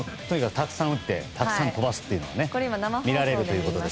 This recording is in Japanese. たくさん打ってたくさん飛ばすというのが見られると。